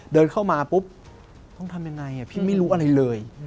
เดินเข้ามาปุ๊บต้องทำยังไงพี่ไม่รู้อะไรเลย